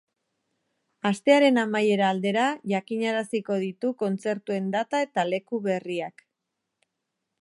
Astearen amaiera aldera jakinaraziko ditu kontzertuen data eta leku berriak.